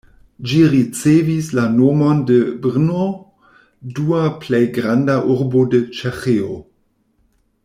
Ĝi ricevis la nomon de Brno, dua plej granda urbo de Ĉeĥio.